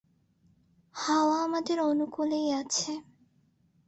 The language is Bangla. হাওয়া আমাদের অনুকূলেই আছে।